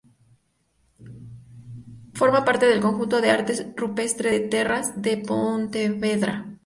Forma parte del conjunto de arte rupestre de Terras de Pontevedra.